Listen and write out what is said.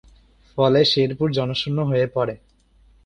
ফলে শেরপুর জনশূন্য হয়ে পড়ে।